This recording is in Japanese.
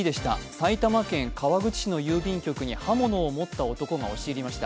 埼玉県川口市の郵便局に刃物を持った男が押し入りました。